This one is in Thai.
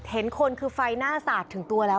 เห็นคนคือไฟหน้าสาดถึงตัวแล้ว